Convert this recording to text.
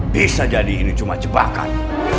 bisa jadi ini cuma jebakan